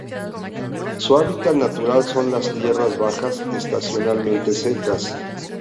Su hábitat natural son las tierras bajas estacionalmente secas.